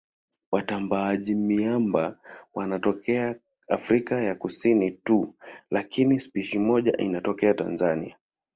Watambaaji-miamba wanatokea Afrika ya Kusini tu lakini spishi moja inatokea Tanzania.